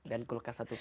dan kulkas satu pintu